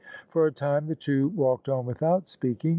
For a time the two walked on without speaking.